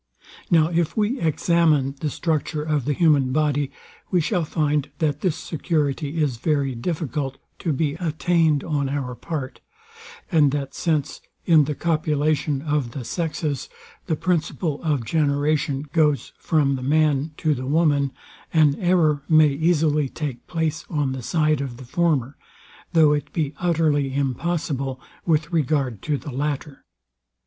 Now if we examine the structure of the human body, we shall find, that this security is very difficult to be attained on our part; and that since, in the copulation of the sexes, the principle of generation goes from the man to the woman, an error may easily take place on the side of the former, though it be utterly impossible with regard to the latter.